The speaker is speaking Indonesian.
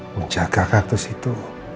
menjaga kartus itu